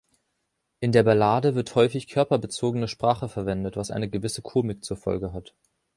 In der Ballade wird häufig körperbezogene Sprache verwendet, was eine gewisse Komik zur Folge hat.